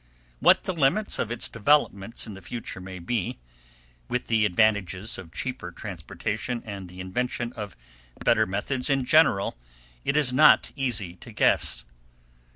What the limits of its developments in the future may be, with the advantages of cheaper transportation and the invention of better methods in general, it is not easy to guess.